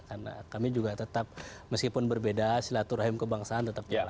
karena kami juga tetap meskipun berbeda silaturahim kebangsaan tetap diangkat